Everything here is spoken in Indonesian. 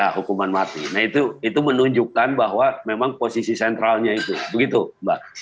nah hukuman mati nah itu menunjukkan bahwa memang posisi sentralnya itu begitu mbak